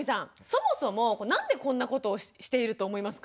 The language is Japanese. そもそもなんでこんなことをしていると思いますか？